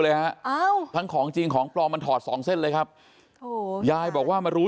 เลยฮะทั้งของจริงของปลอมมันถอดสองเส้นเลยครับยายบอกว่ามารู้